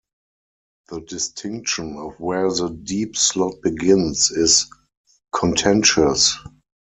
The distinction of where the deep slot begins is contentious.